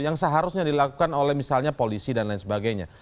yang seharusnya dilakukan oleh misalnya polisi dan lain sebagainya